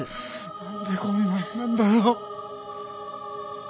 なんでこんななんだよ。